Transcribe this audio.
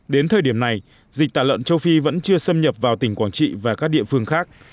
đến thời điểm này dịch tả lợn châu phi vẫn chưa xâm nhập vào tỉnh quảng trị và các địa phương khác